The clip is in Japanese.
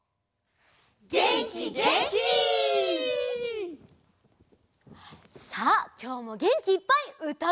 げんきげんき！さあきょうもげんきいっぱいうたっておどるよ！